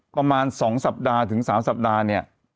ประมาณ๒สัปดาห์ถึง๓สัปดาห์เนี่ย